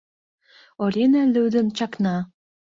Орина лӱдын чакна.